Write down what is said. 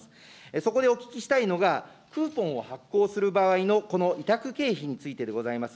そこでお聞きしたいのが、クーポンを発行する場合のこの委託経費についてでございます。